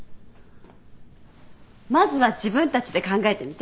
まずは自分たちで考えてみて。